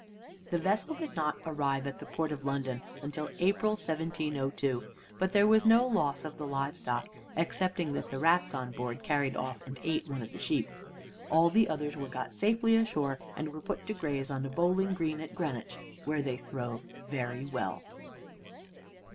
The vessel did not arrive at the port of London till April, 1702, but there was no loss of the live stock, excepting that the rats on board carried off and ate one of the sheep. All the others were got safely ashore, and were put to graze on a bowling green at Greenwich, where they throve very well.